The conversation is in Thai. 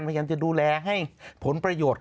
พยายามจะดูแลให้ผลประโยชน์